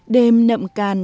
đêm nậm càn